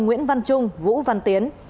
nguyễn văn trung vũ văn tiến